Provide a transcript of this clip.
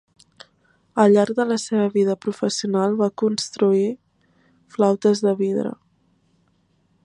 Al llarg de la seva vida professional va construir flautes de vidre.